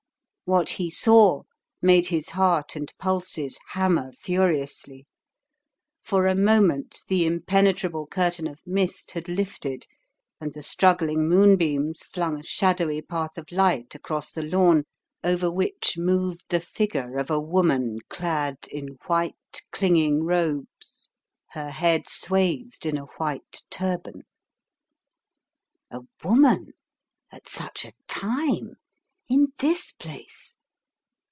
What he saw made his heart and pulses hammer furiously. For a moment the im penetrable curtain of mist had lifted and the strug gling moonbeams flung a shadowy path of light across the lawn over which moved the figure of a 24 The Riddle of the Purple Emperor woman dad in white, clinging robes, her head swathed in a white turban. A woman, at such a time, in this place!